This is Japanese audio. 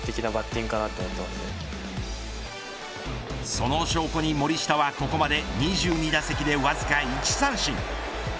その証拠に森下はここまで２２打席でわずか１三振。